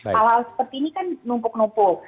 hal hal seperti ini kan numpuk numpuk